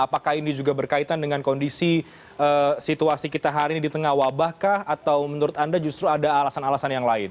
apakah ini juga berkaitan dengan kondisi situasi kita hari ini di tengah wabah kah atau menurut anda justru ada alasan alasan yang lain